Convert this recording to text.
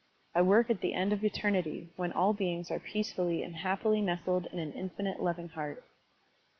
I work at the end of eternity when all beings are peacefully and happily nestled in an infinite loving heart."